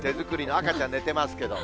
赤ちゃん寝てますけど。